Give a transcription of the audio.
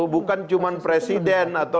bukan cuma presiden atau